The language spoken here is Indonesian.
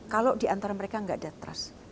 kalau di antara mereka tidak ada trust